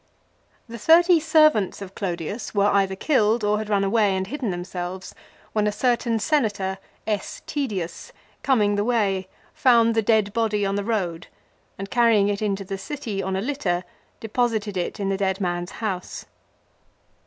The thirty servants of Clodius were either killed or had run away and hidden themselves, when a certain senator, S. Tedius, .coming the way, found the dead body on the road and carrying it into the city on a litter deposited it in the dead man's house.